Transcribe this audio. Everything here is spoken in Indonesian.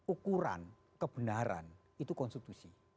ukuran kebenaran itu konstitusi